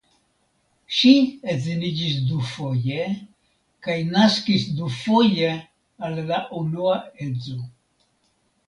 Ŝi edziniĝis dufoje kaj naskis dufoje al la unua edzo.